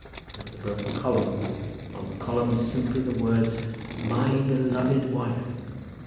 There was a broken column, and on the column simply the words, "My beloved wife!"